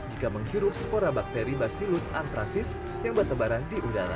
jika menghirup spora bakteri bacillus anthracis yang bertembaran di udara